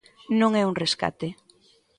Non é un rescate.